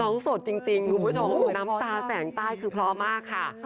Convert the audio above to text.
ร้องสดจริงดูผู้ชมน้ำตาแสงใต้คือพร้อมมากค่ะ